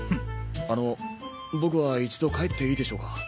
あの僕は一度帰っていいでしょうか？